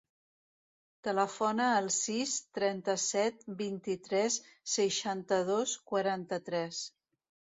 Telefona al sis, trenta-set, vint-i-tres, seixanta-dos, quaranta-tres.